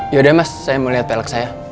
yaudah mas saya mau liat velek saya